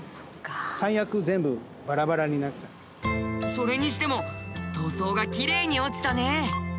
それにしても塗装がきれいに落ちたね。